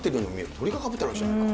鳥がかぶってるわけじゃないか。